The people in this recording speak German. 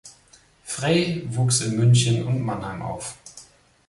Frey wuchs in München und Mannheim auf.